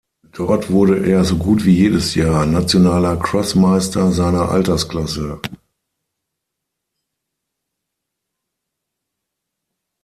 Dort wurde er so gut wie jedes Jahr nationaler Cross-Meister seiner Altersklasse.